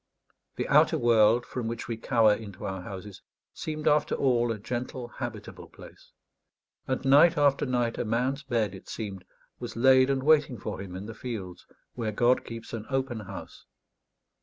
The outer world, from which we cower into our houses, seemed after all a gentle habitable place; and night after night a man's bed, it seemed, was laid and waiting for him in the fields, where God keeps an open house.